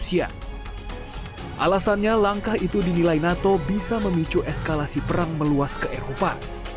kita akan mencapai sesuatu yang bisa berakhir dalam perang yang penuh di eropa